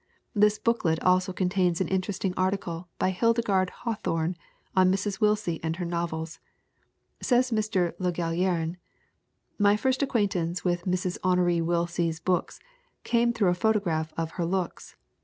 This booklet also contains an interesting article by Hildegarde Hawthorne on Mrs. Willsie and her novels. Says Mr. Le Gallienne : "My first acquaintance with Mrs. Honore Willsie's books came through a photograph of her looks.